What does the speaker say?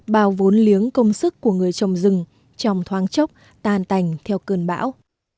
bao vốn liếng công sức của người trồng rừng trồng thoáng chốc tan tành theo cơn bão